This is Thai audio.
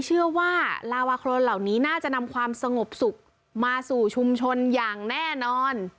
เชื่อว่าลาวาโครนเหล่านี้น่าจะนำความสงบสุขมาสู่ชุมชนอย่างแน่นอน